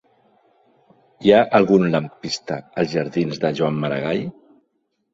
Hi ha algun lampista als jardins de Joan Maragall?